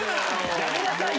やめなさいよ。